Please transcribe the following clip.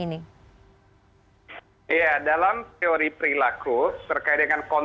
ini ditaraakan oleh benar benar assay is photos